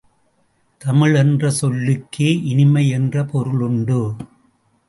தமிழ் என்ற சொல்லுக்கே இனிமை என்ற பொருள் உண்டு.